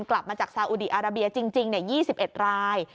กลับมาจากซาอุดีอาราเบียจริง๒๑ราย